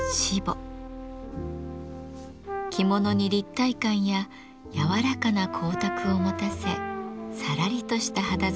着物に立体感や柔らかな光沢を持たせさらりとした肌触りも生み出します。